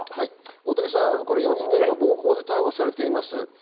大竹さん、４人が暴行で今逮捕されています。